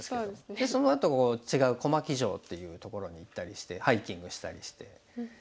でそのあと違う小牧城っていうところに行ったりしてハイキングしたりして。